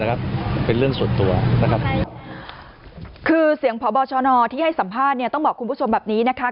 คือเสียงพบชอที่ให้สัมภาษณ์เนี่ยต้องบอกคุณผู้ชมแบบนี้นะครับ